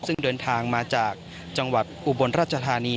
ซึ่งเดินทางมาจากจังหวัดอุบลราชธานี